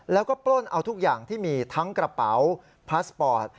แล้วก็ปล้นเอาทุกอย่างที่มีทั้งกระเป๋าพาสปอร์ต